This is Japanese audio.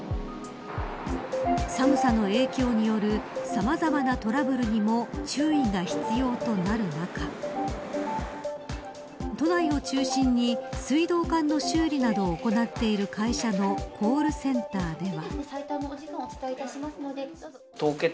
寒さの影響によるさまざまなトラブルにも注意が必要となる中都内を中心に水道管の修理などを行っている会社のコールセンターでは。